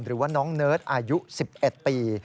หรือว่าน้องเนิร์ดอายุ๑๑ปี